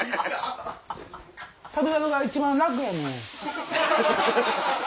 『旅猿』が一番楽やねん。